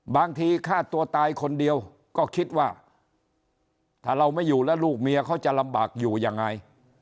ฆ่าตัวตายคนเดียวก็คิดว่าถ้าเราไม่อยู่แล้วลูกเมียเขาจะลำบากอยู่ยังไง